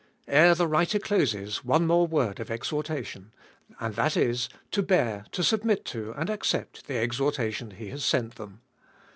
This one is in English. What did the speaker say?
Ere the writer closes, one more word of exhortation, and that is, to bear, to submit to and accept the exhortation he has sent them.